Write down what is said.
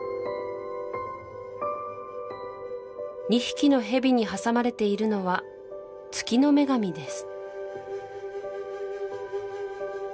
２匹のヘビに挟まれているのは月の女神です